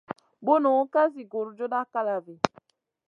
Bunu ka zi gurjuda kalavi.